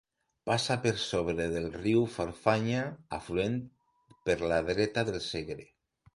Passa per sobre del riu Farfanya, afluent per la dreta del Segre.